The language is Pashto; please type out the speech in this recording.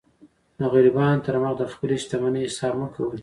د غریبانو تر مخ د خپلي شتمنۍ حساب مه کوئ!